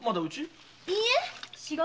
いいえ仕事。